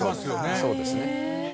そうですね。